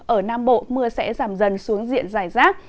ở nam bộ mưa sẽ giảm dần xuống diện dài rác